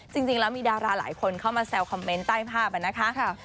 จริงแล้วมีดาราหลายคนเข้ามาแซวคอมเมนต์ใต้ภาพนะคะ